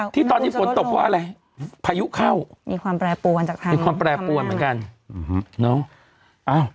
ที่ตอนนี้ฝนตกเพราะอะไรพายุเข้ามีความแปรปวนจากทางมีความแปรปวนเหมือนกัน